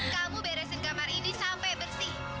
kamu beresin kamar ini sampai bersih